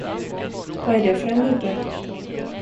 Vad är det för en gubbe?